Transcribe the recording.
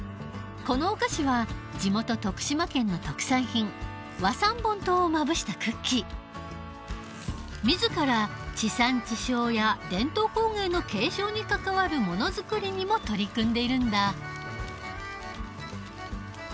このお菓子は地元徳島県の特産品自ら地産地消や伝統工芸の継承に関わるものづくりにも取り組んでいるんだ。